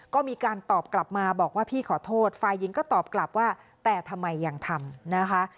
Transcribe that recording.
ก็มีการตอบกลับมาบอกว่าพี่ขอโทษฝ่ายหญิงก็ตอบกลับว่าแต่ทำไมยังทำนะคะ